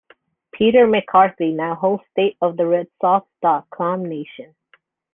Peter McCarthy now hosts "State of the RedSox dot com Nation".